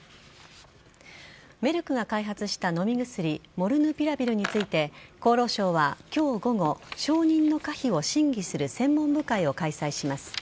メルクが開発した飲み薬モルヌピラビルについて厚労省は今日午後承認の可否を審議する専門部会を開催します。